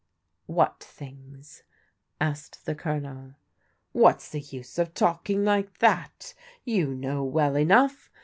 What things ?" asked the Colonel. What's the use of talking like that ? You know well enough.